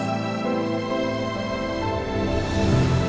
สุทธิ์